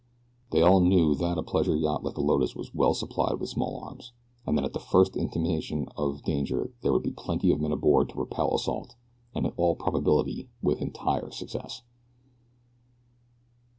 They all knew that a pleasure yacht like the Lotus was well supplied with small arms, and that at the first intimation of danger there would be plenty of men aboard to repel assault, and, in all probability, with entire success.